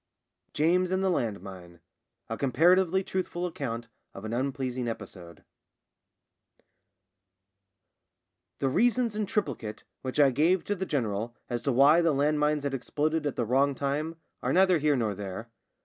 JAMES AND THE LAND MINE A COMPARATIVELY TRUTHFUL ACCOUNT OF AN UNPLEASING EPISODE The reasons in triplicate which I gave to the general as to why the land mines had exploded at the wrong time are neither here nor there.